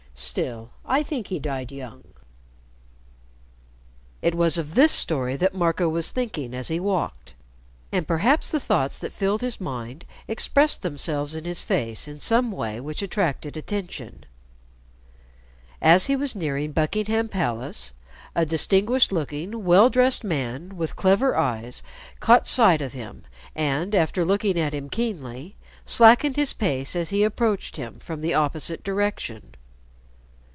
Still, I think he died young." [Illustration: He was the man who had spoken to him in Samavian.] It was of this story that Marco was thinking as he walked, and perhaps the thoughts that filled his mind expressed themselves in his face in some way which attracted attention. As he was nearing Buckingham Palace, a distinguished looking well dressed man with clever eyes caught sight of him, and, after looking at him keenly, slackened his pace as he approached him from the opposite direction.